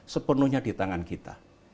sepenuhnya di tangan kita